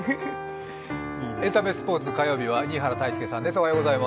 エンタメ、スポーツ、火曜日は新原泰佑さんです。